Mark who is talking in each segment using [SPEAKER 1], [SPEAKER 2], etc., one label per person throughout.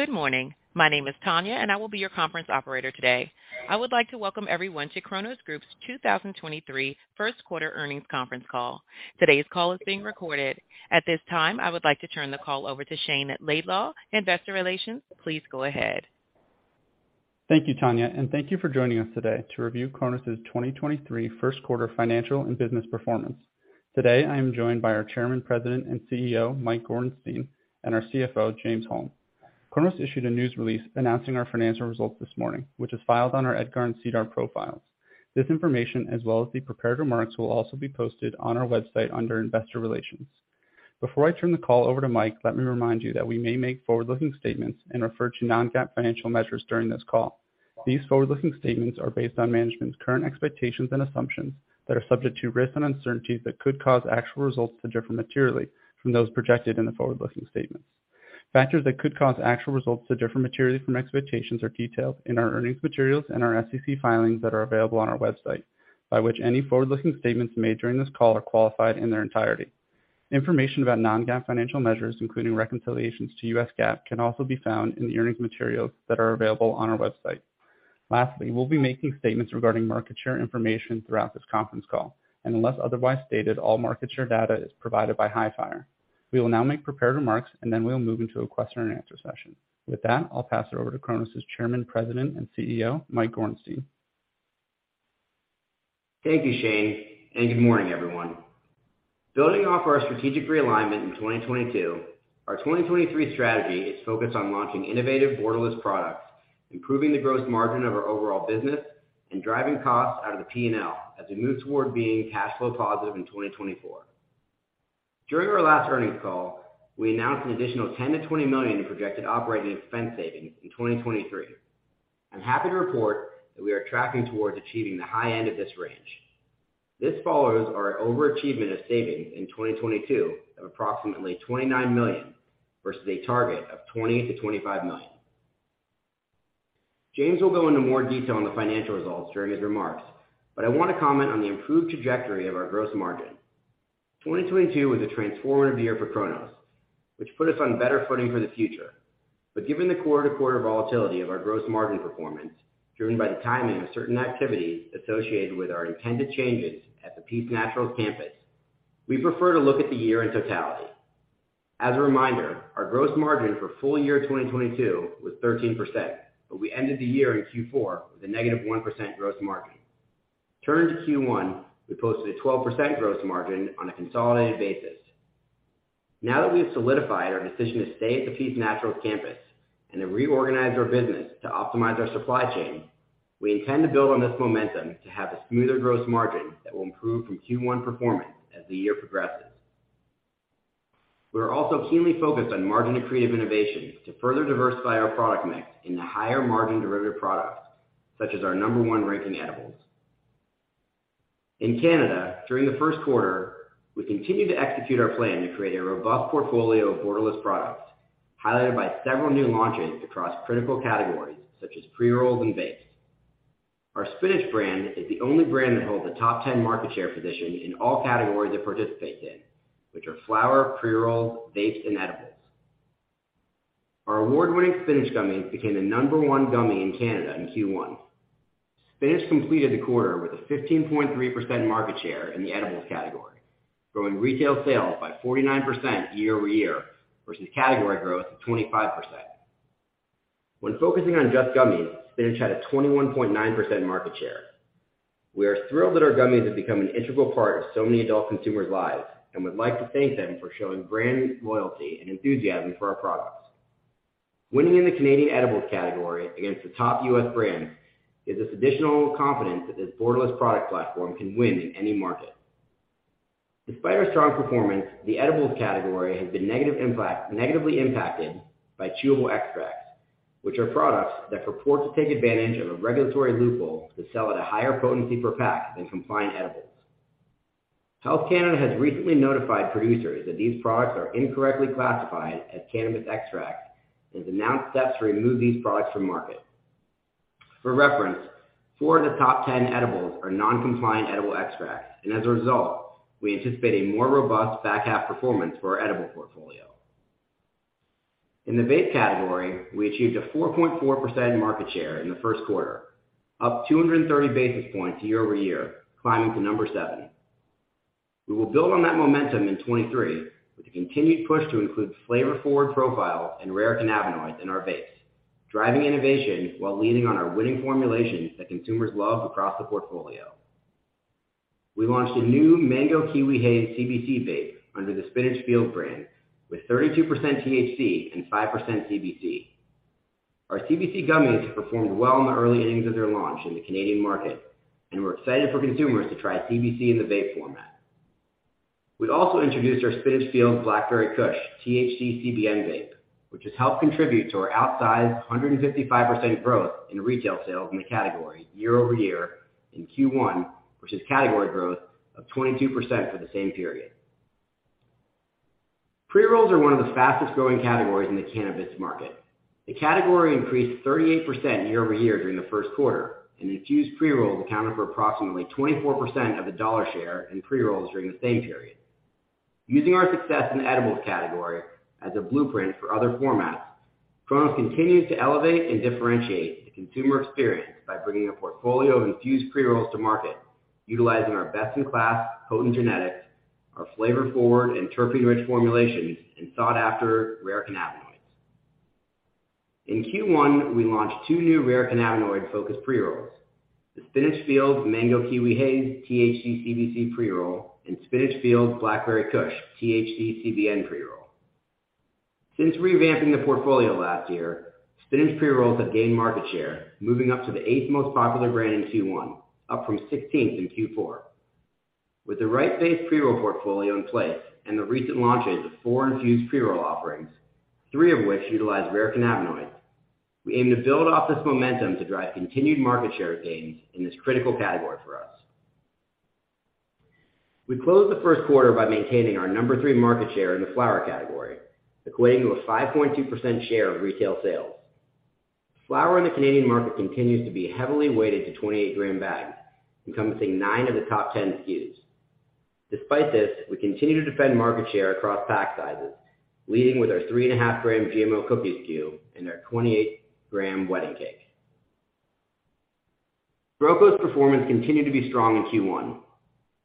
[SPEAKER 1] Good morning. My name is Tanya, and I will be your conference operator today. I would like to welcome everyone to Cronos Group's 2023 first quarter earnings conference call. Today's call is being recorded. At this time, I would like to turn the call over to Shayne Laidlaw Investor Relations. Please go ahead.
[SPEAKER 2] Thank you, Tanya, and thank you for joining us today to review Cronos's 2023 first quarter financial and business performance. Today I am joined by our Chairman, President, and CEO, Mike Gorenstein, and our CFO, James Holm. Cronos issued a news release announcing our financial results this morning, which is filed on our EDGAR and SEDAR profiles. This information, as well as the prepared remarks, will also be posted on our website under Investor Relations. Before I turn the call over to Mike, let me remind you that we may make forward-looking statements and refer to non-GAAP financial measures during this call. These forward-looking statements are based on management's current expectations and assumptions that are subject to risks and uncertainties that could cause actual results to differ materially from those projected in the forward-looking statements. Factors that could cause actual results to differ materially from expectations are detailed in our earnings materials and our SEC filings that are available on our website, by which any forward-looking statements made during this call are qualified in their entirety. Information about non-GAAP financial measures, including reconciliations to U.S. GAAP, can also be found in the earnings materials that are available on our website. Lastly, we'll be making statements regarding market share information throughout this conference call, and unless otherwise stated, all market share data is provided by Hifyre. We will now make prepared remarks. Then we'll move into a question and answer session. With that, I'll pass it over to Cronos's Chairman, President, and CEO, Mike Gorenstein.
[SPEAKER 3] Thank you, Shayne. Good morning, everyone. Building off our strategic realignment in 2022, our 2023 strategy is focused on launching innovative borderless products, improving the gross margin of our overall business, and driving costs out of the P&L as we move toward being cash flow positive in 2024. During our last earnings call, we announced an additional $10 million-$20 million in projected OpEx savings in 2023. I'm happy to report that we are tracking towards achieving the high end of this range. This follows our overachievement of savings in 2022 of approximately $29 million versus a target of $20 million-$25 million. James will go into more detail on the financial results during his remarks. I want to comment on the improved trajectory of our gross margin. 2022 was a transformative year for Cronos, which put us on better footing for the future. Given the quarter-to-quarter volatility of our gross margin performance, driven by the timing of certain activities associated with our intended changes at the Peace Naturals campus, we prefer to look at the year in totality. As a reminder, our gross margin for full year 2022 was 13%, but we ended the year in Q4 with a negative 1% gross margin. Turning to Q1, we posted a 12% gross margin on a consolidated basis. Now that we have solidified our decision to stay at the Peace Naturals campus and to reorganize our business to optimize our supply chain, we intend to build on this momentum to have a smoother gross margin that will improve from Q1 performance as the year progresses. We are also keenly focused on margin-accretive innovations to further diversify our product mix into higher-margin derivative products, such as our number one-ranking edibles. In Canada, during the first quarter, we continued to execute our plan to create a robust portfolio of borderless products, highlighted by several new launches across critical categories such as pre-rolls and vapes. Our Spinach brand is the only brand that holds a top 10 market share position in all categories it participates in, which are flower, pre-rolls, vapes, and edibles. Our award-winning Spinach gummies became the number one gummy in Canada in Q1. Spinach completed the quarter with a 15.3% market share in the edibles category, growing retail sales by 49% year-over-year versus category growth of 25%. When focusing on just gummies, Spinach had a 21.9% market share. We are thrilled that our gummies have become an integral part of so many adult consumers' lives and would like to thank them for showing brand loyalty and enthusiasm for our products. Winning in the Canadian edibles category against the top U.S. brands gives us additional confidence that this borderless product platform can win in any market. Despite our strong performance, the edibles category has been negatively impacted by chewable extracts, which are products that purport to take advantage of a regulatory loophole to sell at a higher potency per pack than compliant edibles. Health Canada has recently notified producers that these products are incorrectly classified as cannabis extracts and has announced steps to remove these products from market. For reference, 4 of the top 10 edibles are non-compliant edible extracts, and as a result, we anticipate a more robust back half performance for our edible portfolio. In the vape category, we achieved a 4.4% market share in the first quarter, up 230 basis points year-over-year, climbing to number seven. We will build on that momentum in 2023 with a continued push to include flavor-forward profile and rare cannabinoids in our vapes, driving innovation while leaning on our winning formulations that consumers love across the portfolio. We launched a new Mango Kiwi Haze CBC vape under the Spinach FEELZ brand with 32% THC and 5% CBC. Our CBC gummies performed well in the early innings of their launch in the Canadian market, and we're excited for consumers to try CBC in the vape format. We also introduced our Spinach FEELZ Blackberry Kush THC:CBN vape, which has helped contribute to our outsized 155% growth in retail sales in the category year-over-year in Q1 versus category growth of 22% for the same period. Pre-rolls are one of the fastest-growing categories in the cannabis market. The category increased 38% year-over-year during the first quarter, and infused pre-rolls accounted for approximately 24% of the dollar share in pre-rolls during the same period. Using our success in the edibles category as a blueprint for other formats, Cronos continues to elevate and differentiate the consumer experience by bringing a portfolio of infused pre-rolls to market, utilizing our best-in-class potent genetics, our flavor-forward and terpene-rich formulations, and sought-after rare cannabinoids. In Q1, we launched two new rare cannabinoid-focused pre-rolls, the Spinach FEELZ Mango Kiwi Haze THC CBC pre-roll, and Spinach FEELZ Blackberry Kush THC CBN pre-roll. Since revamping the portfolio last year, Spinach pre-rolls have gained market share, moving up to the 8th most popular brand in Q1, up from 16th in Q4. With the right-based pre-roll portfolio in place and the recent launches of four infused pre-roll offerings, three of which utilize rare cannabinoids, we aim to build off this momentum to drive continued market share gains in this critical category for us. We closed the first quarter by maintaining our number three market share in the flower category, equating to a 5.2% share of retail sales. Flower in the Canadian market continues to be heavily weighted to 28 gram bags, encompassing 9 of the top 10 SKUs. Despite this, we continue to defend market share across pack sizes, leading with our 3.5 gram GMO Cookies SKU and our 28 gram Wedding Cake. GrowCo's performance continued to be strong in Q1.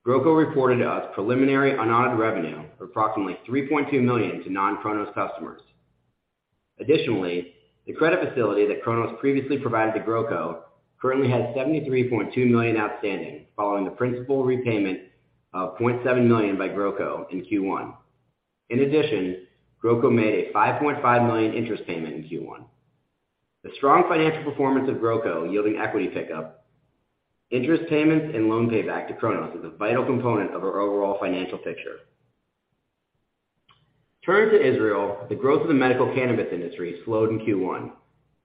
[SPEAKER 3] GrowCo reported to us preliminary unaudited revenue of approximately $3.2 million to non-Cronos customers. Additionally, the credit facility that Cronos previously provided to GrowCo currently has $73.2 million outstanding, all in the principal repayment of $0.7 million by GrowCo in Q1. In addition, GrowCo made a $5.5 million interest payment in Q1. The strong financial performance of GrowCo yielding equity pickup, interest payments and loan payback to Cronos is a vital component of our overall financial picture. Turning to Israel, the growth of the medical cannabis industry slowed in Q1,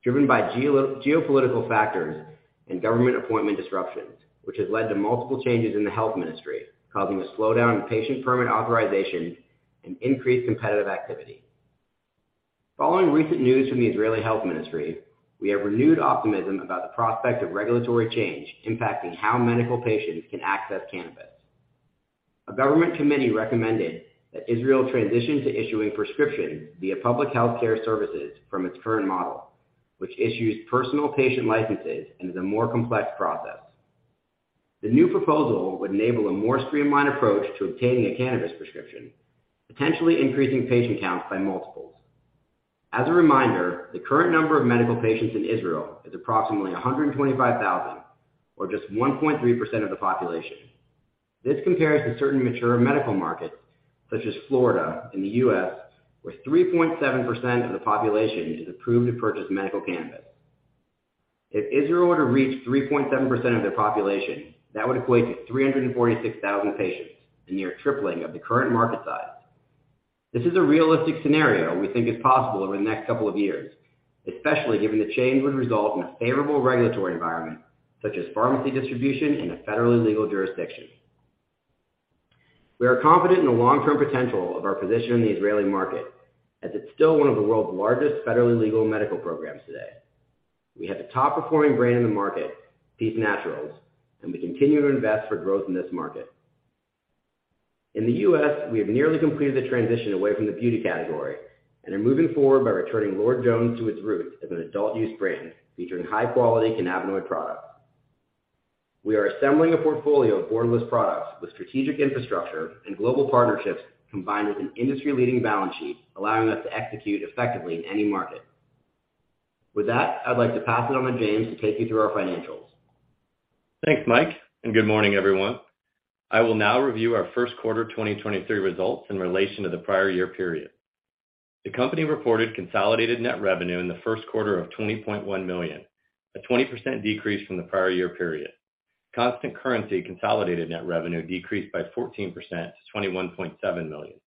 [SPEAKER 3] driven by geopolitical factors and government appointment disruptions, which has led to multiple changes in the Health Ministry, causing a slowdown in patient permit authorizations and increased competitive activity. Following recent news from the Israeli Health Ministry, we have renewed optimism about the prospect of regulatory change impacting how medical patients can access cannabis. A government committee recommended that Israel transition to issuing prescriptions via public healthcare services from its current model, which issues personal patient licenses and is a more complex process. The new proposal would enable a more streamlined approach to obtaining a cannabis prescription, potentially increasing patient counts by multiples. As a reminder, the current number of medical patients in Israel is approximately 125,000, or just 1.3% of the population. This compares to certain mature medical markets, such as Florida in the U.S., where 3.7% of the population is approved to purchase medical cannabis. If Israel were to reach 3.7% of their population, that would equate to 346,000 patients, a near tripling of the current market size. This is a realistic scenario we think is possible over the next couple of years, especially given the change would result in a favorable regulatory environment, such as pharmacy distribution in a federally legal jurisdiction. We are confident in the long-term potential of our position in the Israeli market, as it's still one of the world's largest federally legal medical programs today. We have the top-performing brand in the market, Peace Naturals, and we continue to invest for growth in this market. In the U.S., we have nearly completed the transition away from the beauty category and are moving forward by returning Lord Jones to its roots as an adult use brand featuring high-quality cannabinoid products. We are assembling a portfolio of boundless products with strategic infrastructure and global partnerships, combined with an an industry-leading balance sheet, allowing us to execute effectively in any market. With that, I'd like to pass it on to James to take you through our financials.
[SPEAKER 4] Thanks, Mike. Good morning, everyone. I will now review our first quarter 2023 results in relation to the prior year period. The company reported consolidated net revenue in the first quarter of $20.1 million, a 20% decrease from the prior year period. Constant currency consolidated net revenue decreased by 14% to $21.7 million.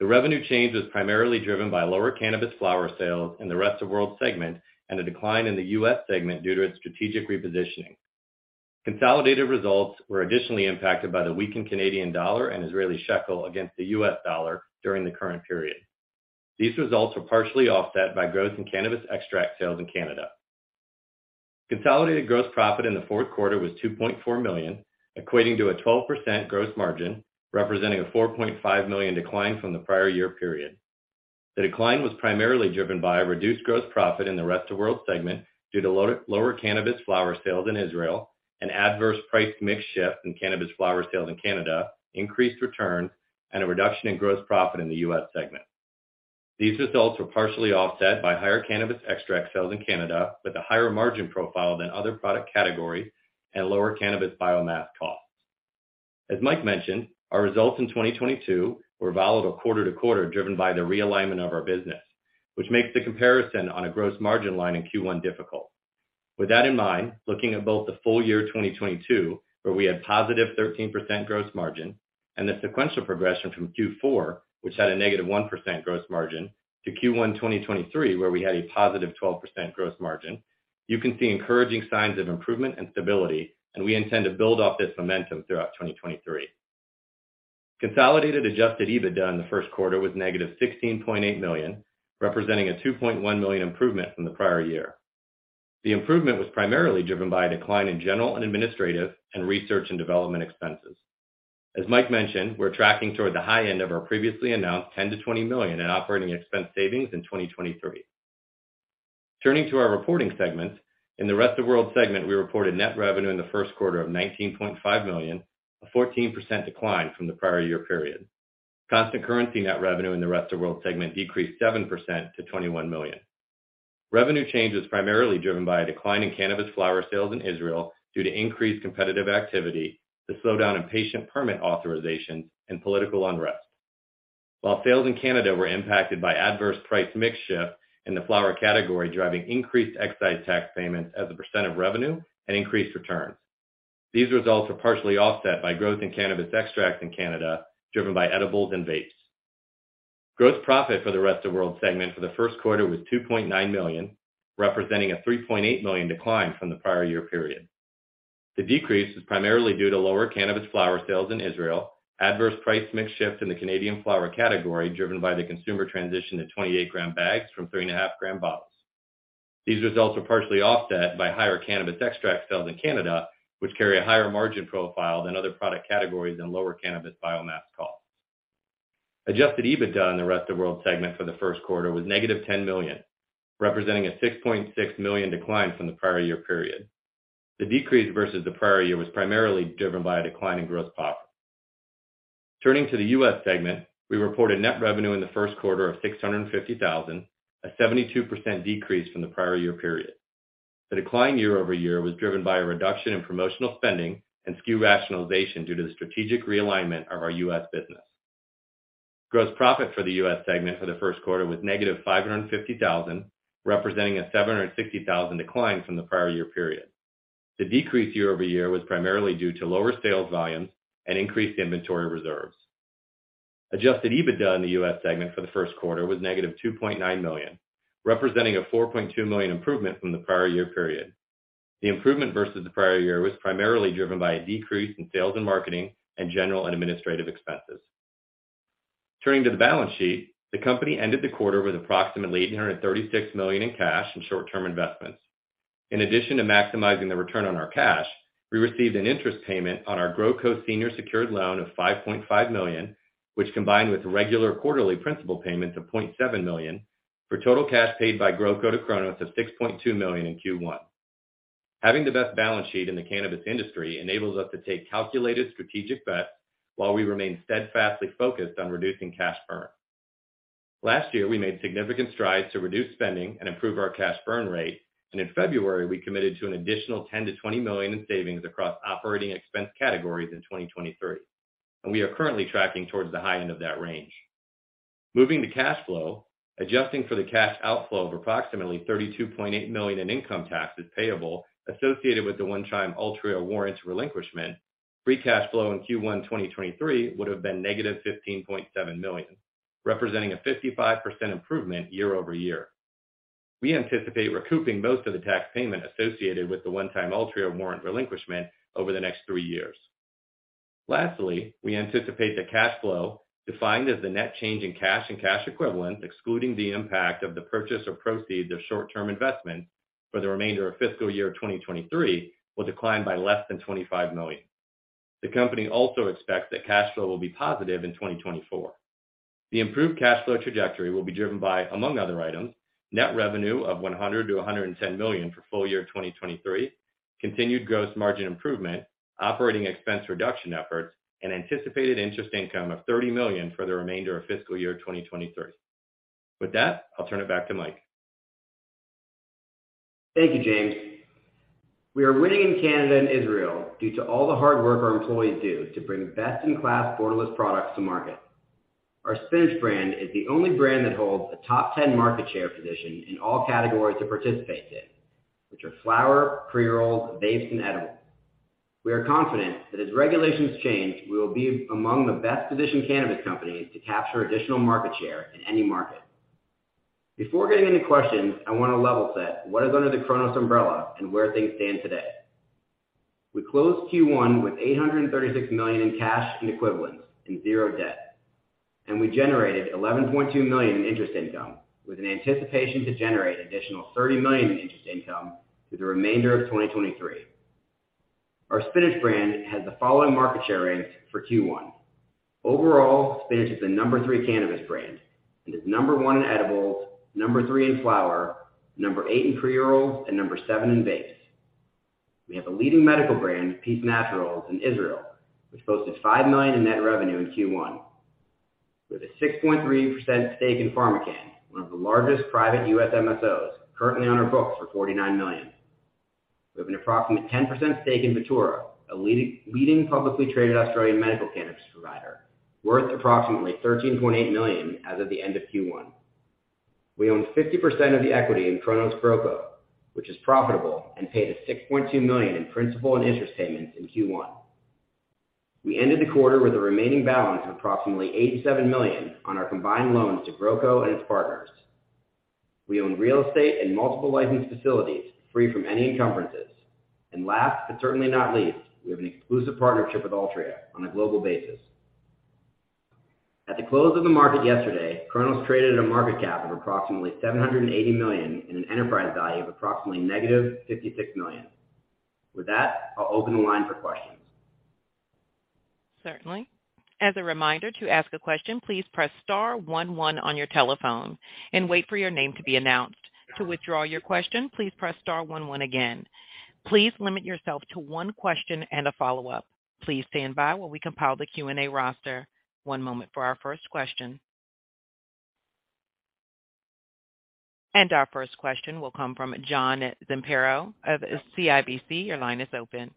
[SPEAKER 4] The revenue change was primarily driven by lower cannabis flower sales in the rest of world segment and a decline in the U.S. segment due to its strategic repositioning. Consolidated results were additionally impacted by the weakened Canadian dollar and Israeli shekel against the U.S. dollar during the current period. These results were partially offset by growth in cannabis extract sales in Canada. Consolidated gross profit in the fourth quarter was $2.4 million, equating to a 12% gross margin, representing a $4.5 million decline from the prior year period. The decline was primarily driven by a reduced gross profit in the rest of world segment due to lower cannabis flower sales in Israel, an adverse price mix shift in cannabis flower sales in Canada, increased returns, and a reduction in gross profit in the U.S. segment. These results were partially offset by higher cannabis extract sales in Canada with a higher margin profile than other product categories and lower cannabis biomass costs. As Mike mentioned, our results in 2022 were volatile quarter to quarter, driven by the realignment of our business, which makes the comparison on a gross margin line in Q1 difficult. With that in mind, looking at both the full year 2022, where we had positive 13% gross margin, and the sequential progression from Q4, which had a negative 1% gross margin, to Q1 2023, where we had a positive 12% gross margin, you can see encouraging signs of improvement and stability, and we intend to build off this momentum throughout 2023. Consolidated adjusted EBITDA in the first quarter was -$16.8 million, representing a $2.1 million improvement from the prior year. The improvement was primarily driven by a decline in general and administrative and research and development expenses. As Mike mentioned, we're tracking toward the high end of our previously announced $10 million-$20 million in operating expense savings in 2023. Turning to our reporting segments. In the rest of world segment, we reported net revenue in the first quarter of $19.5 million, a 14% decline from the prior year period. Constant currency net revenue in the rest of world segment decreased 7% to $21 million. Revenue change was primarily driven by a decline in cannabis flower sales in Israel due to increased competitive activity, the slowdown in patient permit authorizations, and political unrest. While sales in Canada were impacted by adverse price mix shift in the flower category, driving increased excise tax payments as a % of revenue and increased returns. These results were partially offset by growth in cannabis extracts in Canada, driven by edibles and vapes. Gross profit for the rest of world segment for the first quarter was $2.9 million, representing a $3.8 million decline from the prior year period. The decrease was primarily due to lower cannabis flower sales in Israel, adverse price mix shift in the Canadian flower category driven by the consumer transition to 28-gram bags from 3.5-gram bottles. These results were partially offset by higher cannabis extract sales in Canada, which carry a higher margin profile than other product categories and lower cannabis biomass costs. Adjusted EBITDA in the rest of world segment for the first quarter was negative $10 million, representing a $6.6 million decline from the prior year period. The decrease versus the prior year was primarily driven by a decline in gross profit. Turning to the U.S. segment, we reported net revenue in the first quarter of $650,000, a 72% decrease from the prior year period.
[SPEAKER 3] The decline year-over-year was driven by a reduction in promotional spending and SKU rationalization due to the strategic realignment of our U.S. business. Gross profit for the U.S. segment for the first quarter was negative $550,000, representing a $760,000 decline from the prior year period. The decrease year-over-year was primarily due to lower sales volumes and increased inventory reserves. Adjusted EBITDA in the U.S. segment for the first quarter was negative $2.9 million, representing a $4.2 million improvement from the prior year period. The improvement versus the prior year was primarily driven by a decrease in sales and marketing and general and administrative expenses. Turning to the balance sheet. The company ended the quarter with approximately $836 million in cash and short-term investments.
[SPEAKER 4] In addition to maximizing the return on our cash, we received an interest payment on our GrowCo senior secured loan of $5.5 million, which combined with regular quarterly principal payments of $0.7 million for total cash paid by GrowCo to Cronos of $6.2 million in Q1. Having the best balance sheet in the cannabis industry enables us to take calculated strategic bets while we remain steadfastly focused on reducing cash burn. Last year, we made significant strides to reduce spending and improve our cash burn rate. In February, we committed to an additional $10 million-$20 million in savings across OpEx categories in 2023. We are currently tracking towards the high end of that range. Moving to cash flow. Adjusting for the cash outflow of approximately $32.8 million in income taxes payable associated with the one-time Altria warrants relinquishment, free cash flow in Q1 2023 would have been negative $15.7 million, representing a 55% improvement year-over-year. We anticipate recouping most of the tax payment associated with the one-time Altria warrant relinquishment over the next three years. Lastly, we anticipate that cash flow defined as the net change in cash and cash equivalents, excluding the impact of the purchase of proceeds of short-term investments for the remainder of fiscal year 2023, will decline by less than $25 million. The company also expects that cash flow will be positive in 2024. The improved cash flow trajectory will be driven by, among other items, net revenue of $100 million-$110 million for full year 2023, continued gross margin improvement, operating expense reduction efforts, and anticipated interest income of $30 million for the remainder of fiscal year 2023. With that, I'll turn it back to Mike.
[SPEAKER 3] Thank you, James. We are winning in Canada and Israel due to all the hard work our employees do to bring best-in-class borderless products to market. Our Spinach brand is the only brand that holds a top 10 market share position in all categories it participates in, which are flower, pre-rolls, vapes, and edibles. We are confident that as regulations change, we will be among the best-positioned cannabis companies to capture additional market share in any market. Before getting any questions, I want to level set what is under the Cronos umbrella and where things stand today. We closed Q1 with $836 million in cash and equivalents and 0 debt. We generated $11.2 million in interest income with an anticipation to generate additional $30 million in interest income through the remainder of 2023. Our Spinach brand has the following market share ranks for Q1. Overall, Spinach is the number three cannabis brand and is number one in edibles, number three in flower, number eight in pre-rolls, and number seven in vapes. We have a leading medical brand, Peace Naturals, in Israel, which posted $5 million in net revenue in Q1. We have a 6.3% stake in PharmaCann, one of the largest private U.S. MSOs, currently on our books for $49 million. We have an approximate 10% stake in Vitura, a leading publicly traded Australian medical cannabis provider, worth approximately $13.8 million as of the end of Q1. We own 50% of the equity in Cronos GrowCo, which is profitable and paid a $6.2 million in principal and interest payments in Q1. We ended the quarter with a remaining balance of approximately $87 million on our combined loans to GrowCo and its partners. We own real estate and multiple licensed facilities free from any encumbrances. Last but certainly not least, we have an exclusive partnership with Altria on a global basis. At the close of the market yesterday, Cronos traded at a market cap of approximately $780 million in an enterprise value of approximately -$56 million. With that, I'll open the line for questions.
[SPEAKER 1] Certainly. As a reminder, to ask a question, please press star one one on your telephone and wait for your name to be announced. To withdraw your question, please press star one one again. Please limit yourself to one question and a follow-up. Please stand by while we compile the Q&A roster. One moment for our first question. Our first question will come from John Zamparo of CIBC. Your line is open.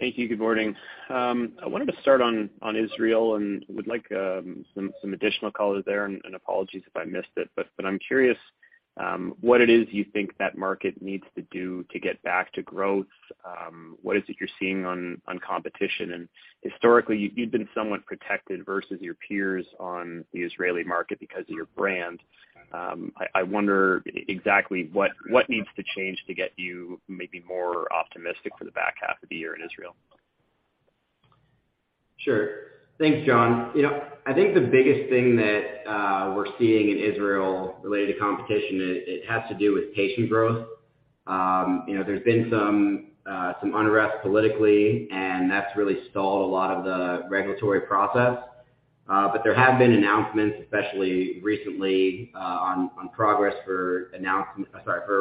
[SPEAKER 5] Thank you. Good morning. I wanted to start on Israel and would like some additional color there, apologies if I missed it. I'm curious what it is you think that market needs to do to get back to growth? What is it you're seeing on competition? Historically, you've been somewhat protected versus your peers on the Israeli market because of your brand. I wonder exactly what needs to change to get you maybe more optimistic for the back half of the year in Israel?
[SPEAKER 3] Sure. Thanks, John. You know, I think the biggest thing that we're seeing in Israel related to competition is it has to do with patient growth. You know, there's been some unrest politically, and that's really stalled a lot of the regulatory process. But there have been announcements, especially recently, on progress for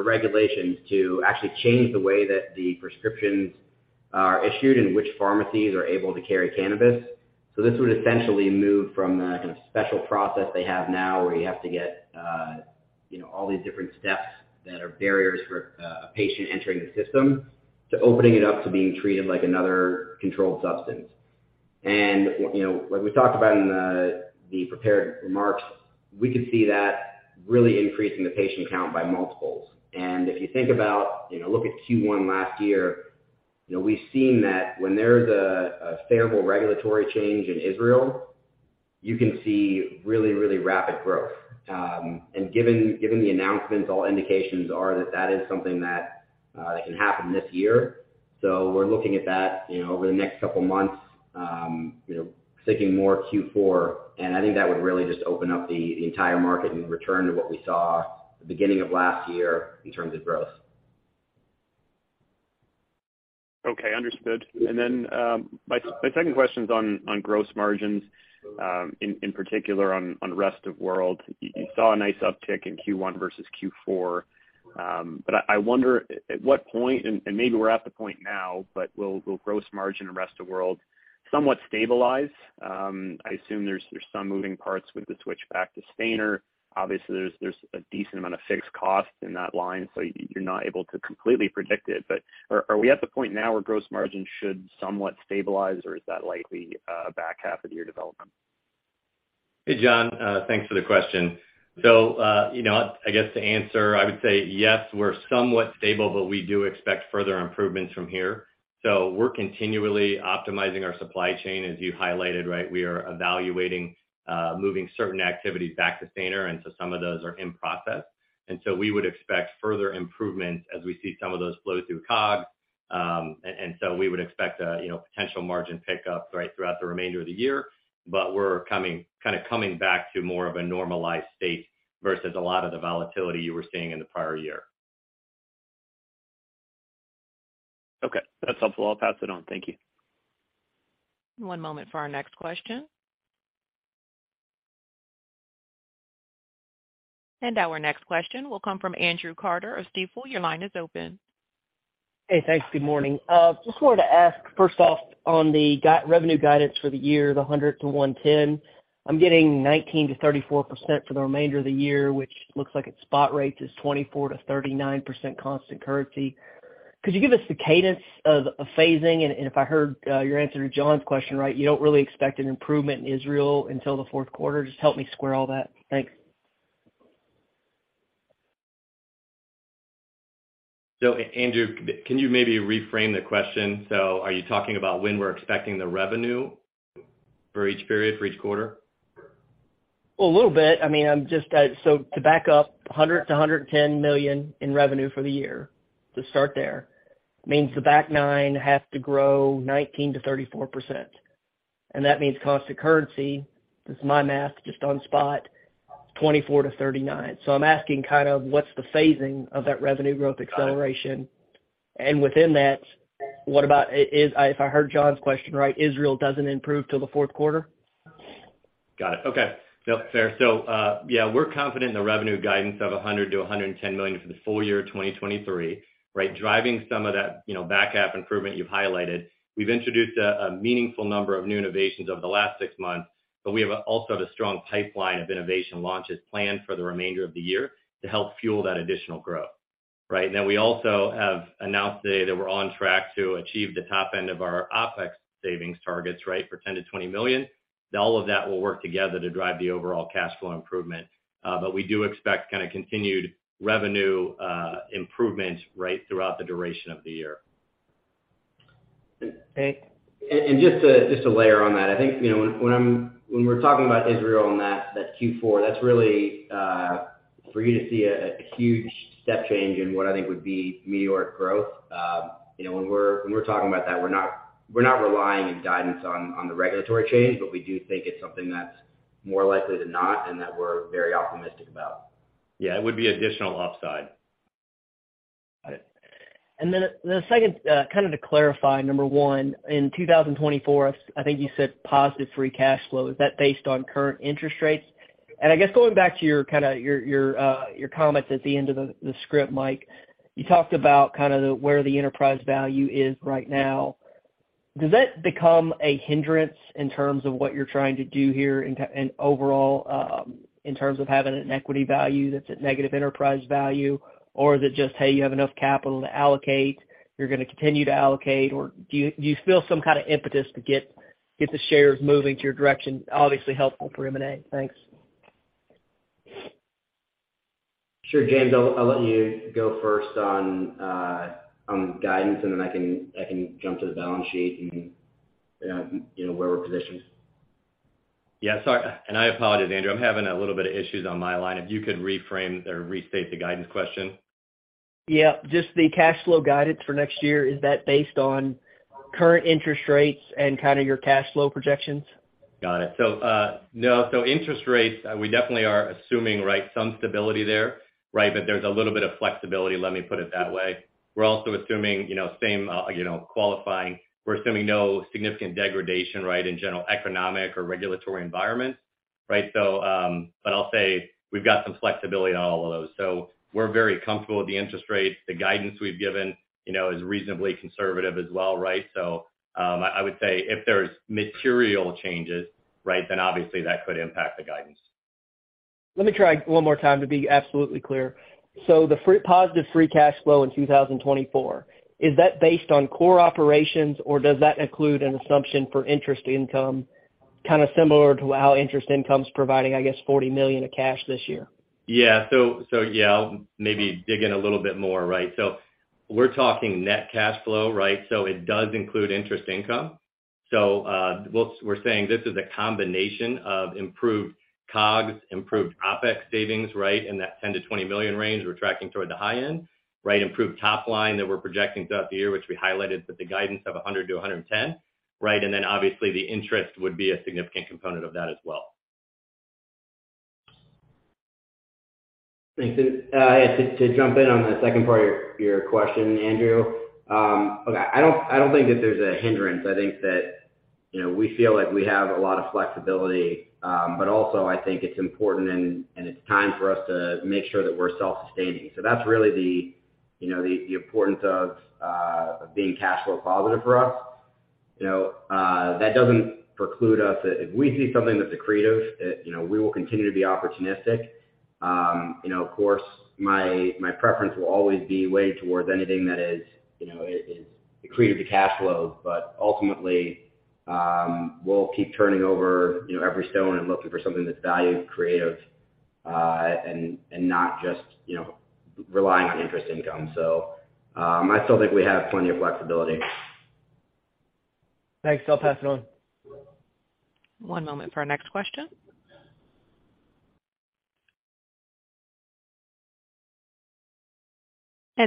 [SPEAKER 3] regulations to actually change the way that the prescriptions are issued in which pharmacies are able to carry cannabis. This would essentially move from the kind of special process they have now, where you have to get, you know, all these different steps that are barriers for a patient entering the system, to opening it up to being treated like another controlled substance. You know, like we talked about in the prepared remarks, we could see that really increasing the patient count by multiples. If you think about, you know, look at Q1 last year, you know, we've seen that when there's a favorable regulatory change in Israel, you can see really rapid growth. Given the announcements, all indications are that that is something that can happen this year. We're looking at that, you know, over the next couple of months, you know, thinking more Q4, and I think that would really just open up the entire market and return to what we saw at the beginning of last year in terms of growth.
[SPEAKER 5] Okay. Understood. My second question's on gross margins, in particular on rest of world. You saw a nice uptick in Q1 versus Q4. I wonder at what point, and maybe we're at the point now, will gross margin in rest of world somewhat stabilize? I assume there's some moving parts with the switch back to Stayner. Obviously, there's a decent amount of fixed costs in that line, you're not able to completely predict it. Are we at the point now where gross margin should somewhat stabilize, or is that likely a back half of the year development?
[SPEAKER 4] Hey, John. Thanks for the question. You know, I guess to answer, I would say, yes, we're somewhat stable, but we do expect further improvements from here. We're continually optimizing our supply chain, as you highlighted, right? We are evaluating moving certain activities back to Stayner, and so some of those are in process. We would expect further improvements as we see some of those flow through COG. You know, potential margin pickup right throughout the remainder of the year. We're coming back to more of a normalized state versus a lot of the volatility you were seeing in the prior year.
[SPEAKER 5] Okay. That's helpful. I'll pass it on. Thank you.
[SPEAKER 1] One moment for our next question. Our next question will come from Andrew Carter of Stifel. Your line is open.
[SPEAKER 6] Hey, thanks. Good morning. Just wanted to ask first off on the revenue guidance for the year, the $100-$110. I'm getting 19%-34% for the remainder of the year, which looks like its spot rates is 24%-39% constant currency. Could you give us the cadence of phasing? If I heard your answer to John's question right, you don't really expect an improvement in Israel until the fourth quarter. Just help me square all that. Thanks.
[SPEAKER 4] Andrew, can you maybe reframe the question? Are you talking about when we're expecting the revenue for each period, for each quarter?
[SPEAKER 6] A little bit. I mean, I'm just, to back up, $100 million-$110 million in revenue for the year, to start there, means the back nine has to grow 19%-34%. That means cost of currency, this is my math, just on spot, 24%-39%. I'm asking kind of what's the phasing of that revenue growth acceleration. Within that, what about If I heard John's question right, Israel doesn't improve till the fourth quarter?
[SPEAKER 4] Got it. Okay. No, fair. Yeah, we're confident in the revenue guidance of $100 million-$110 million for the full year 2023, right? Driving some of that, you know, back half improvement you've highlighted. We've introduced a meaningful number of new innovations over the last 6 months, but we also have a strong pipeline of innovation launches planned for the remainder of the year to help fuel that additional growth. Right? We also have announced today that we're on track to achieve the top end of our OpEx savings targets, right, for $10 million-$20 million. All of that will work together to drive the overall cash flow improvement. We do expect kind of continued revenue improvements right throughout the duration of the year.
[SPEAKER 6] Okay.
[SPEAKER 3] Just to layer on that, I think, you know, when we're talking about Israel and that Q4, that's really for you to see a huge step change in what I think would be meteoric growth, you know, when we're talking about that, we're not relying in guidance on the regulatory change, but we do think it's something that's more likely than not and that we're very optimistic about.
[SPEAKER 4] Yeah, it would be additional upside.
[SPEAKER 6] Got it. Then the second, kind of to clarify number one, in 2024, I think you said positive free cash flow. Is that based on current interest rates? I guess going back to your kind of your comments at the end of the script, Mike, you talked about kind of the where the enterprise value is right now. Does that become a hindrance in terms of what you're trying to do here in overall, in terms of having an equity value that's at negative enterprise value, or is it just, hey, you have enough capital to allocate, you're gonna continue to allocate? Or do you feel some kind of impetus to get the shares moving to your direction, obviously helpful for M&A? Thanks.
[SPEAKER 3] Sure. James, I'll let you go first on on the guidance, and then I can jump to the balance sheet and, you know, where we're positioned.
[SPEAKER 4] Yeah, sorry. I apologize, Andrew. I'm having a little bit of issues on my line. If you could reframe or restate the guidance question.
[SPEAKER 6] Yeah, just the cash flow guidance for next year, is that based on current interest rates and kind of your cash flow projections?
[SPEAKER 4] Got it. No. Interest rates, we definitely are assuming, right, some stability there, right? There's a little bit of flexibility, let me put it that way. We're also assuming, you know, same, you know, qualifying. We're assuming no significant degradation, right, in general economic or regulatory environments, right? I'll say we've got some flexibility on all of those. We're very comfortable with the interest rates. The guidance we've given, you know, is reasonably conservative as well, right? I would say if there's material changes, right, obviously that could impact the guidance.
[SPEAKER 6] Let me try one more time to be absolutely clear. The positive free cash flow in 2024, is that based on core operations, or does that include an assumption for interest income, kind of similar to how interest income's providing, I guess, $40 million of cash this year?
[SPEAKER 4] I'll maybe dig in a little bit more, right? We're talking net cash flow, right? It does include interest income. We're saying this is a combination of improved COGS, improved OpEx savings, right, in that $10 million-$20 million range. We're tracking toward the high end, right? Improved top line that we're projecting throughout the year, which we highlighted with the guidance of $100 million-$110 million, right? Obviously the interest would be a significant component of that as well.
[SPEAKER 3] Thanks. Yeah, to jump in on the second part of your question, Andrew. Look, I don't think that there's a hindrance. I think that, you know, we feel like we have a lot of flexibility. Also, I think it's important and it's time for us to make sure that we're self-sustaining. That's really the, you know, the importance of being cash flow positive for us. You know, that doesn't preclude us. If we see something that's accretive, you know, we will continue to be opportunistic. You know, of course, my preference will always be weighted towards anything that is, you know, is accretive to cash flow. Ultimately, we'll keep turning over, you know, every stone and looking for something that's valued accretive, and not just, you know, relying on interest income. I still think we have plenty of flexibility.
[SPEAKER 6] Thanks. I'll pass it on.
[SPEAKER 1] One moment for our next question.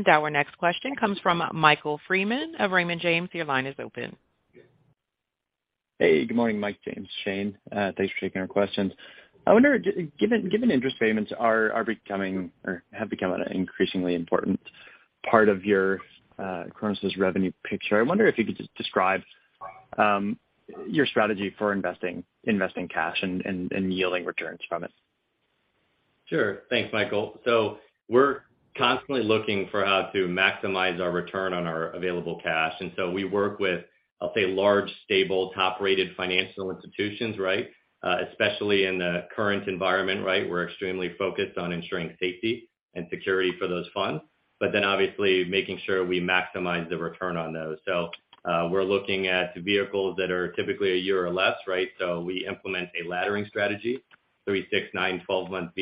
[SPEAKER 1] Our next question comes from Michael Freeman of Raymond James. Your line is open.
[SPEAKER 7] Hey, good morning, Mike, James, Shane. Thanks for taking our questions. I wonder given interest payments are becoming or have become an increasingly important part of your Cronos' revenue picture. I wonder if you could just describe your strategy for investing cash and yielding returns from it.
[SPEAKER 4] Sure. Thanks, Michael. We're constantly looking for how to maximize our return on our available cash. We work with, I'll say, large, stable, top-rated financial institutions, right. Especially in the current environment, right. Then obviously making sure we maximize the return on those. We're looking at vehicles that are typically 1 year or less, right. We implement a laddering strategy, 3, 6, 9, 12-month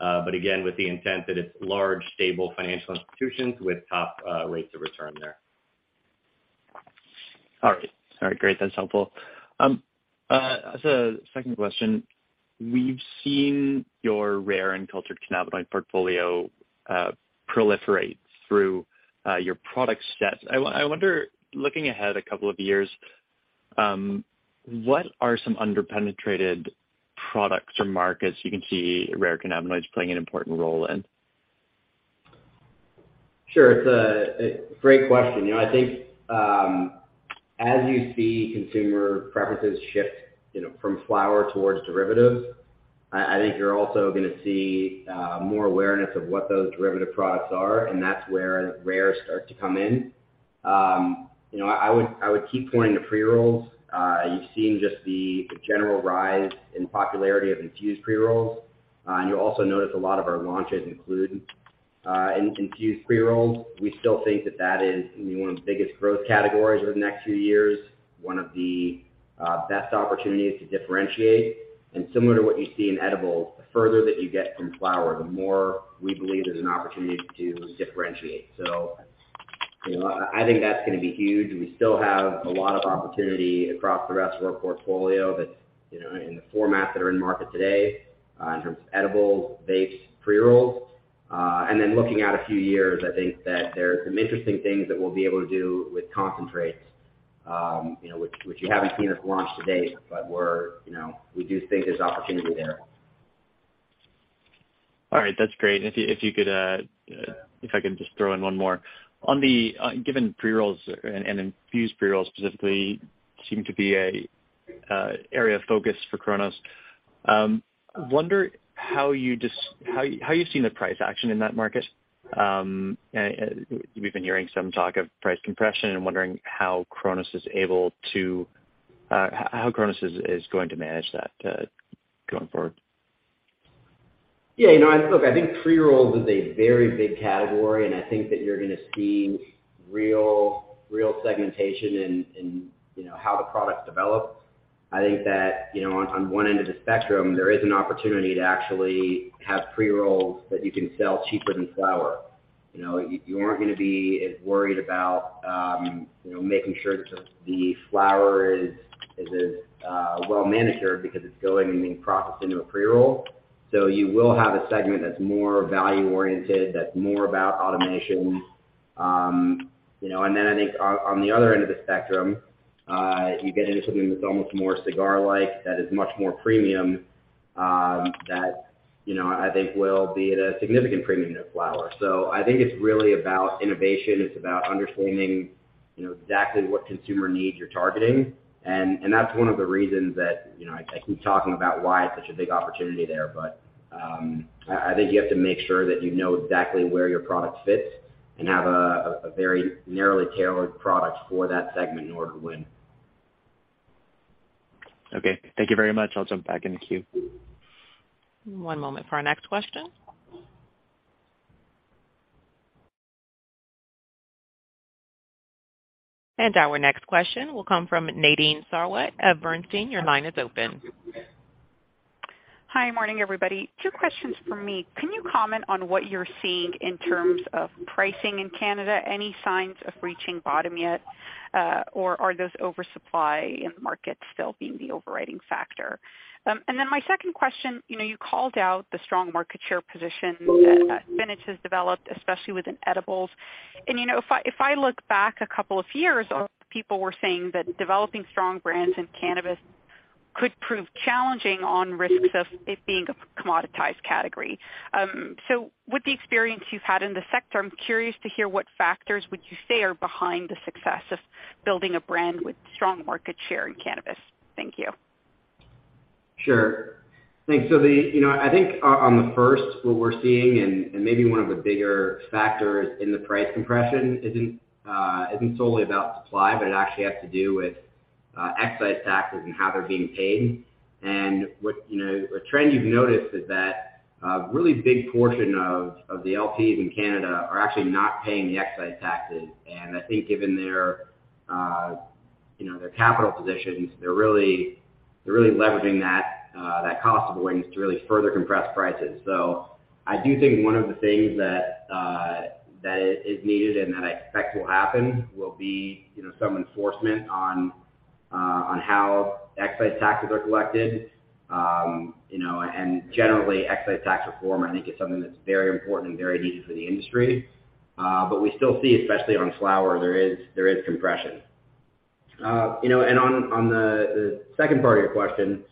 [SPEAKER 4] vehicle, again, with the intent that it's large, stable financial institutions with top rates of return there.
[SPEAKER 7] All right. All right, great. That's helpful. As a second question, we've seen your rare and cultured cannabinoid portfolio proliferate through your product sets. I wonder, looking ahead a couple of years, what are some underpenetrated products or markets you can see rare cannabinoids playing an important role in?
[SPEAKER 3] Sure. It's a great question. You know, I think, as you see consumer preferences shift, you know, from flower towards derivatives, I think you're also gonna see more awareness of what those derivative products are, and that's where rare start to come in. You know, I would keep pointing to pre-rolls. You've seen just the general rise in popularity of infused pre-rolls. You'll also notice a lot of our launches include infused pre-rolls. We still think that that is gonna be one of the biggest growth categories over the next few years, one of the best opportunities to differentiate. Similar to what you see in edibles, the further that you get from flower, the more we believe there's an opportunity to differentiate. You know, I think that's gonna be huge. We still have a lot of opportunity across the rest of our portfolio that's, you know, in the formats that are in market today, in terms of edibles, vapes, pre-rolls. Then looking out a few years, I think that there are some interesting things that we'll be able to do with concentrates, you know, which you haven't seen us launch to date, but we're, you know, we do think there's opportunity there.
[SPEAKER 7] All right. That's great. If you could, if I can just throw in one more. On the given pre-rolls and infused pre-rolls specifically seem to be a area of focus for Cronos, I wonder how you've seen the price action in that market. We've been hearing some talk of price compression. I'm wondering how Cronos is able to how Cronos is going to manage that going forward.
[SPEAKER 3] Yeah. You know, Look, I think pre-rolls is a very big category, and I think that you're gonna see real segmentation in, you know, how the products develop. I think that, you know, on one end of the spectrum, there is an opportunity to actually have pre-rolls that you can sell cheaper than flower. You know, you aren't gonna be as worried about, you know, making sure that the flower is well managed here because it's going and being processed into a pre-roll. You will have a segment that's more value oriented, that's more about automation. You know, I think on the other end of the spectrum, you get into something that's almost more cigar-like, that is much more premium, that, you know, I think will be at a significant premium to flower. I think it's really about innovation. It's about understanding, you know, exactly what consumer needs you're targeting. That's one of the reasons that, you know, I keep talking about why it's such a big opportunity there. I think you have to make sure that you know exactly where your product fits and have a very narrowly tailored product for that segment in order to win.
[SPEAKER 7] Okay. Thank you very much. I'll jump back in the queue.
[SPEAKER 1] One moment for our next question. Our next question will come from Nadine Sarwat of Bernstein. Your line is open.
[SPEAKER 8] Hi. Morning, everybody. Two questions from me. Can you comment on what you're seeing in terms of pricing in Canada? Any signs of reaching bottom yet, or are those oversupply in the market still being the overriding factor? My second question, you know, you called out the strong market share position that Spinach has developed, especially within edibles. You know, if I look back a couple of years, a lot of people were saying that developing strong brands in cannabis could prove challenging on risks of it being a commoditized category. With the experience you've had in the sector, I'm curious to hear what factors would you say are behind the success of building a brand with strong market share in cannabis. Thank you.
[SPEAKER 3] Sure. Thanks. You know, I think on the first, what we're seeing, and maybe one of the bigger factors in the price compression isn't solely about supply, but it actually has to do with excise taxes and how they're being paid. What, you know, a trend you've noticed is that a really big portion of the LPs in Canada are actually not paying the excise taxes. I think given their, you know, their capital positions, they're really leveraging that cost avoidance to really further compress prices. I do think one of the things that is needed and that I expect will happen will be, you know, some enforcement on how excise taxes are collected. you know, generally, excise tax reform, I think, is something that's very important and very needed for the industry. We still see, especially on flower, there is compression. you know, on the second part of your question,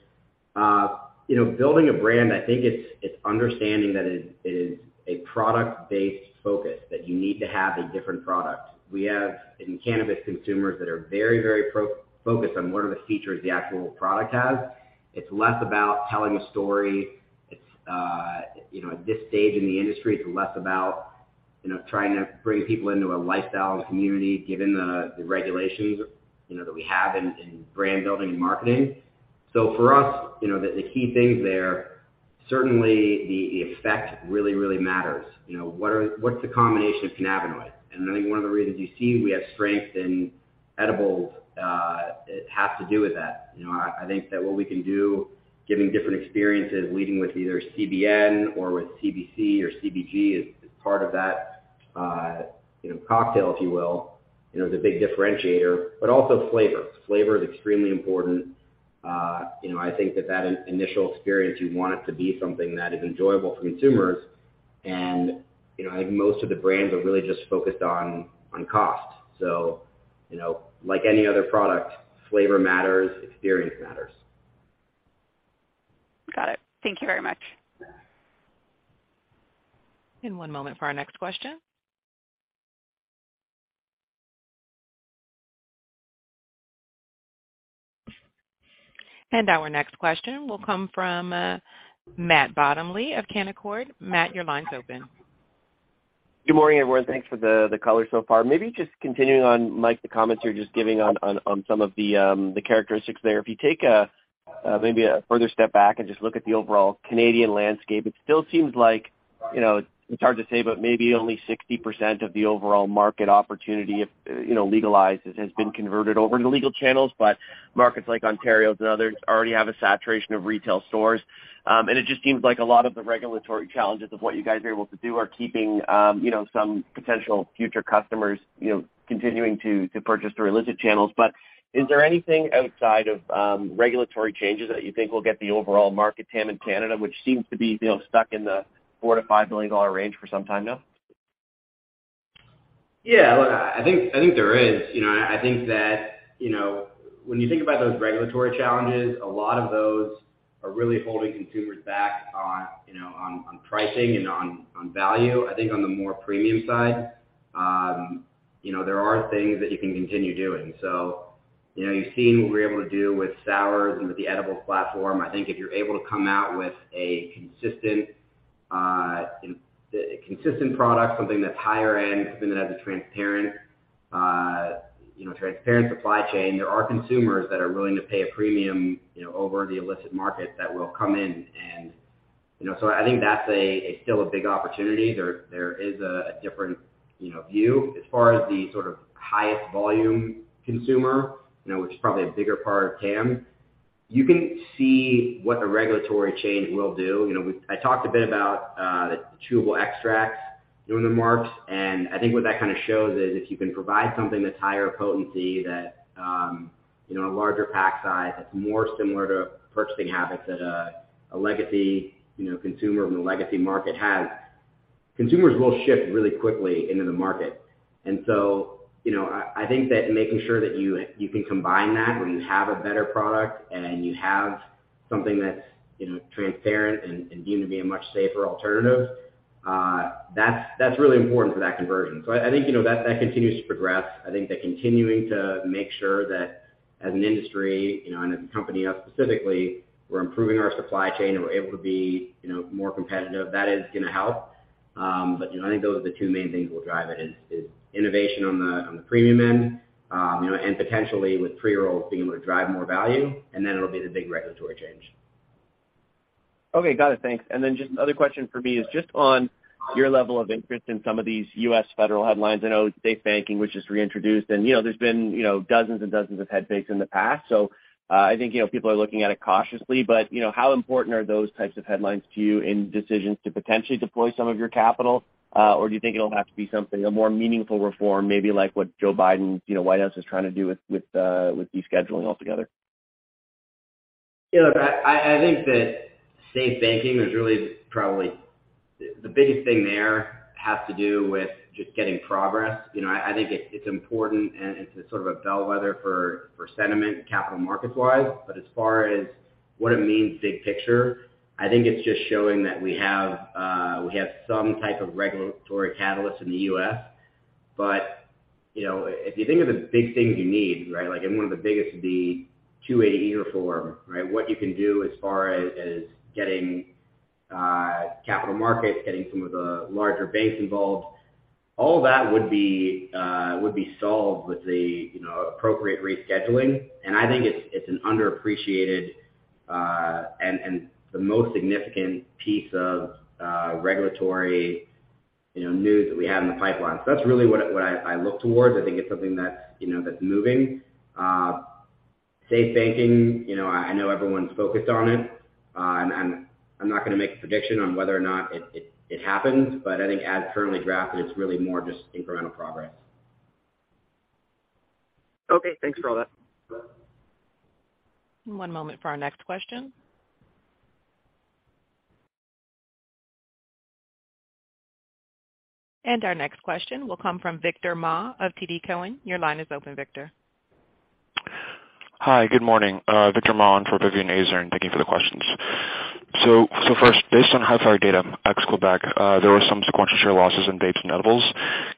[SPEAKER 3] you know, building a brand, I think it's understanding that it is a product-based focus, that you need to have a different product. We have, in cannabis, consumers that are very, very pro-focused on what are the features the actual product has. It's less about telling a story. It's, you know, at this stage in the industry, it's less about, you know, trying to bring people into a lifestyle and community, given the regulations, you know, that we have in brand building and marketing. For us, you know, the key things there, certainly the effect really, really matters. You know, what's the combination of cannabinoid? I think one of the reasons you see we have strength in edibles, it has to do with that. You know, I think that what we can do, giving different experiences, leading with either CBN or with CBC or CBG as part of that, you know, cocktail, if you will, you know, is a big differentiator, but also flavor. Flavor is extremely important. You know, I think that initial experience, you want it to be something that is enjoyable for consumers. You know, I think most of the brands are really just focused on cost. You know, like any other product, flavor matters, experience matters.
[SPEAKER 8] Got it. Thank you very much.
[SPEAKER 3] Yeah.
[SPEAKER 1] One moment for our next question. Our next question will come from Matt Bottomley of Canaccord. Matt, your line's open.
[SPEAKER 9] Good morning, everyone. Thanks for the color so far. Maybe just continuing on, Mike, the comments you're just giving on some of the characteristics there. If you take a maybe a further step back and just look at the overall Canadian landscape. It still seems like, you know, it's hard to say, but maybe only 60% of the overall market opportunity if, you know, legalized has been converted over to legal channels. Markets like Ontario and others already have a saturation of retail stores. It just seems like a lot of the regulatory challenges of what you guys are able to do are keeping, you know, some potential future customers, you know, continuing to purchase through illicit channels. Is there anything outside of regulatory changes that you think will get the overall market TAM in Canada, which seems to be, you know, stuck in the $4 billion-$5 billion range for some time now?
[SPEAKER 3] Look, I think there is. I think that when you think about those regulatory challenges, a lot of those are really holding consumers back on pricing and on value. I think on the more premium side, there are things that you can continue doing. You've seen what we're able to do with sours and with the edibles platform. I think if you're able to come out with a consistent product, something that's higher end, something that has a transparent supply chain, there are consumers that are willing to pay a premium over the illicit market that will come in. I think that's a still a big opportunity. There is a different view. As far as the sort of highest volume consumer, you know, which is probably a bigger part of TAM, you can see what the regulatory change will do. You know, I talked a bit about the chewable extracts doing the marks, and I think what that kind of shows is if you can provide something that's higher potency that, you know, a larger pack size, that's more similar to purchasing habits that a legacy, you know, consumer from a legacy market has, consumers will shift really quickly into the market. You know, I think that making sure that you can combine that when you have a better product and you have something that's, you know, transparent and deemed to be a much safer alternative, that's really important for that conversion. I think, you know, that continues to progress. I think that continuing to make sure that as an industry, you know, and as a company specifically, we're improving our supply chain and we're able to be, you know, more competitive, that is gonna help. You know, I think those are the two main things that will drive it is innovation on the premium end, you know, and potentially with pre-rolls being able to drive more value, and then it'll be the big regulatory change.
[SPEAKER 9] Okay. Got it. Thanks. Just another question for me is just on your level of interest in some of these U.S. federal headlines. I know SAFE Banking, which is reintroduced and, you know, there's been, you know, dozens and dozens of head fakes in the past. I think, you know, people are looking at it cautiously. You know, how important are those types of headlines to you in decisions to potentially deploy some of your capital? Or do you think it'll have to be something, a more meaningful reform, maybe like what Joe Biden's, you know, White House is trying to do with descheduling altogether?
[SPEAKER 3] You know, I think that SAFE Banking is really probably. The biggest thing there has to do with just getting progress. You know, I think it's important and it's a sort of a bellwether for sentiment capital markets-wise. As far as what it means big picture, I think it's just showing that we have some type of regulatory catalyst in the U.S. You know, if you think of the big things you need, right? One of the biggest would be 280E reform, right? What you can do as far as getting capital markets, getting some of the larger banks involved, all that would be solved with the, you know, appropriate rescheduling. I think it's an underappreciated and the most significant piece of regulatory, you know, news that we have in the pipeline. That's really what I look towards. I think it's something that's, you know, that's moving. SAFE Banking, you know, I know everyone's focused on it. I'm not gonna make a prediction on whether or not it happens, but I think as currently drafted, it's really more just incremental progress.
[SPEAKER 9] Okay. Thanks for all that.
[SPEAKER 1] One moment for our next question. Our next question will come from Victor Ma of TD Cowen. Your line is open, Victor.
[SPEAKER 10] Hi. Good morning. Victor Ma on for Vivien Azer. Thank you for the questions. First, based on Hifyre data, ex-Quebec, there were some sequential share losses in vapes and edibles.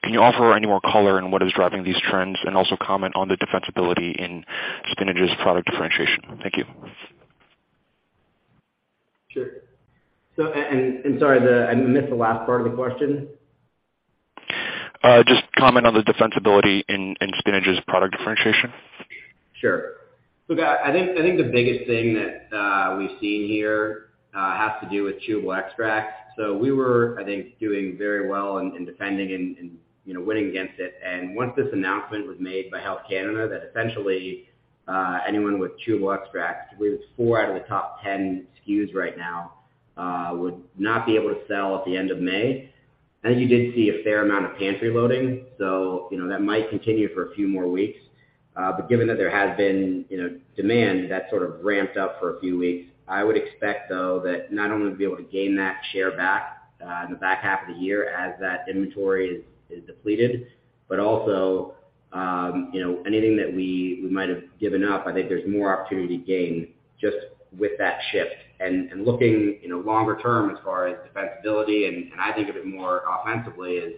[SPEAKER 10] Can you offer any more color on what is driving these trends? Also comment on the defensibility in Spinach's product differentiation. Thank you.
[SPEAKER 3] Sure. Sorry, I missed the last part of the question.
[SPEAKER 10] Just comment on the defensibility in Spinach's product differentiation.
[SPEAKER 3] Sure. Look, I think, I think the biggest thing that we've seen here has to do with chewable extracts. We were, I think, doing very well in defending and, you know, winning against it. Once this announcement was made by Health Canada that essentially, anyone with chewable extracts, I believe it's 4 out of the top 10 SKUs right now, would not be able to sell at the end of May. I think you did see a fair amount of pantry loading, you know, that might continue for a few more weeks. Given that there has been, you know, demand that sort of ramped up for a few weeks, I would expect though, that not only we'll be able to gain that share back in the back half of the year as that inventory is depleted, but also, you know, anything that we might have given up, I think there's more opportunity to gain just with that shift. Looking, you know, longer term as far as defensibility, and I think of it more offensively is,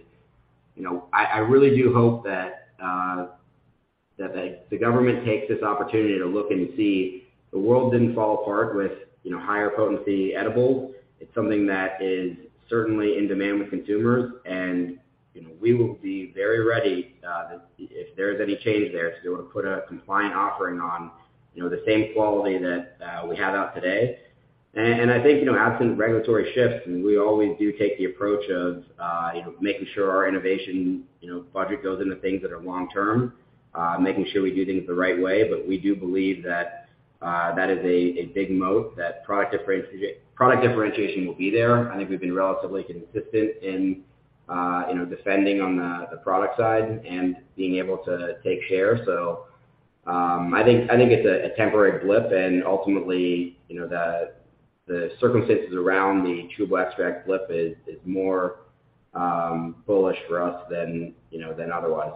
[SPEAKER 3] you know, I really do hope that the government takes this opportunity to look and see the world didn't fall apart with, you know, higher potency edibles. It's something that is certainly in demand with consumers. We will be very ready, if there is any change there to be able to put a compliant offering on, you know, the same quality that we have out today. I think, you know, absent regulatory shifts, and we always do take the approach of, you know, making sure our innovation, you know, budget goes into things that are long term, making sure we do things the right way. We do believe that is a big moat, that product differentiation will be there. I think we've been relatively consistent in, you know, defending on the product side and being able to take share. I think it's a temporary blip, and ultimately, you know, the circumstances around the true black extract blip is more bullish for us than, you know, than otherwise.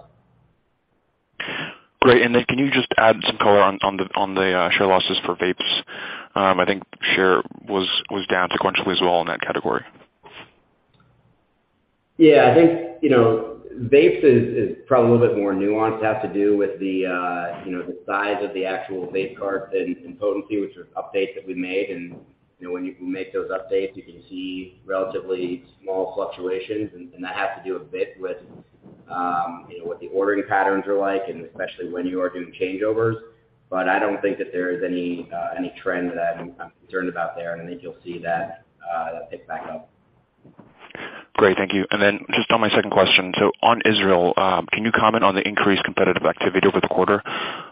[SPEAKER 10] Great. Can you just add some color on the share losses for vapes? I think share was down sequentially as well in that category.
[SPEAKER 3] Yeah. I think, you know, vapes is probably a little bit more nuanced. It has to do with the, you know, the size of the actual vape cart and potency, which are updates that we made. You know, when you make those updates, you can see relatively small fluctuations, and that has to do a bit with, you know, what the ordering patterns are like and especially when you are doing changeovers. I don't think that there is any trend that I'm concerned about there. I think you'll see that pick back up.
[SPEAKER 10] Great. Thank you. Just on my second question. On Israel, can you comment on the increased competitive activity over the quarter?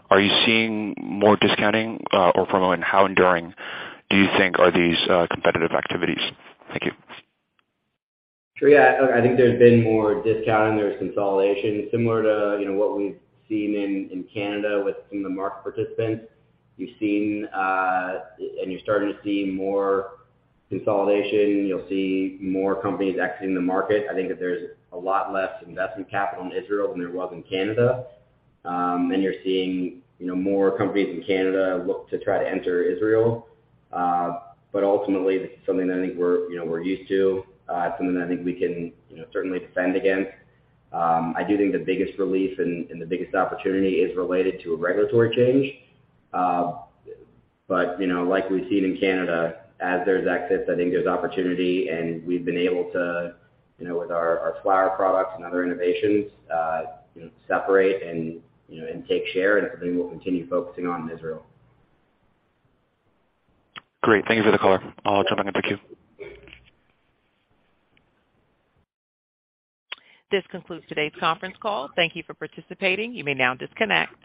[SPEAKER 10] Are you seeing more discounting or promo, and how enduring do you think are these competitive activities? Thank you.
[SPEAKER 3] Sure. Yeah. I think there's been more discounting. There's consolidation similar to, you know, what we've seen in Canada with some of the market participants. You've seen, and you're starting to see more consolidation. You'll see more companies exiting the market. I think that there's a lot less investment capital in Israel than there was in Canada. You're seeing, you know, more companies in Canada look to try to enter Israel. Ultimately this is something that I think we're, you know, we're used to. It's something that I think we can, you know, certainly defend against. I do think the biggest relief and the biggest opportunity is related to a regulatory change. You know, like we've seen in Canada, as there's exits, I think there's opportunity and we've been able to, you know, with our flower products and other innovations, you know, separate and, you know, and take share. It's something we'll continue focusing on in Israel.
[SPEAKER 10] Great. Thank you for the color. I'll jump back in the queue.
[SPEAKER 1] This concludes today's conference call. Thank you for participating. You may now disconnect.